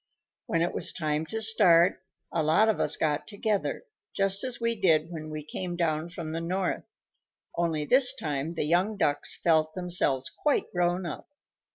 When it was time to start, a lot of us got together, just as we did when we came down from the North, only this time the young Ducks felt themselves quite grown up.